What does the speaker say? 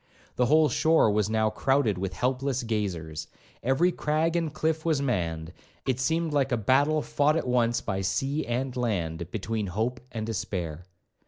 The whole shore was now crowded with helpless gazers, every crag and cliff was manned; it seemed like a battle fought at once by sea and land, between hope and despair.